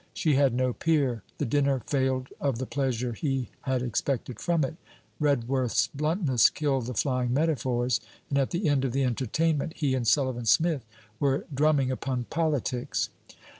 She had no peer. The dinner failed of the pleasure he had expected from it. Redworth's bluntness killed the flying metaphors, and at the end of the entertainment he and Sullivan Smith were drumming upon politics.